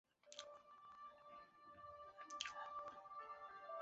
卢卡斯出生在加拿大。